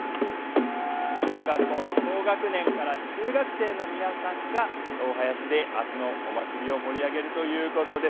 小学校の高学年から中学生の皆さんが、お囃子であすのお祭りを盛り上げるということです。